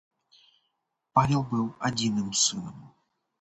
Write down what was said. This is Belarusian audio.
Павел быў адзіным сынам.